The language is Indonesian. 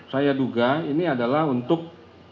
saya duga ini adalah untuk